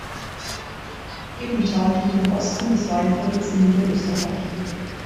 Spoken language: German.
Ebenthal liegt im Osten des Weinviertels in Niederösterreich.